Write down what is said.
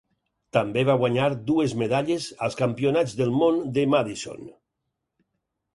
També va guanyar dues medalles als Campionats del món de Madison.